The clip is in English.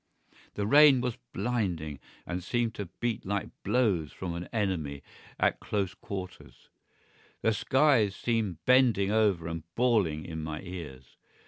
The rain was blinding and seemed to beat like blows from an enemy at close quarters; the skies seemed bending over and bawling in my ears.